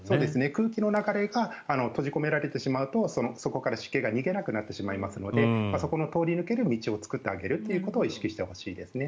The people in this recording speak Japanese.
空気の流れが閉じ込められてしまうとそこから湿気が逃げなくなってしまいますのでそこの通り抜ける道を作ってあげることを意識してほしいですね。